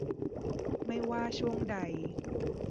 ไม่ว่าช่วงใด